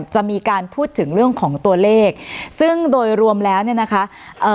จะมีการพูดถึงเรื่องของตัวเลขซึ่งโดยรวมแล้วเนี่ยนะคะเอ่อ